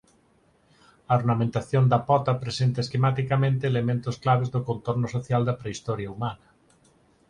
A ornamentación da pota presenta esquematicamente elementos claves do contorno social da prehistoria humana.